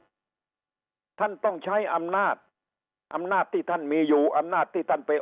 ท่านต้องใช้อำนาจอำนาจที่ท่านมีอยู่อำนาจที่ท่านเป็น